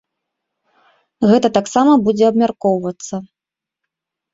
Гэта таксама будзе абмяркоўвацца.